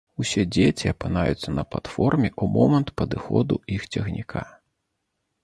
Усе дзеці апынаюцца на платформе ў момант падыходу іх цягніка.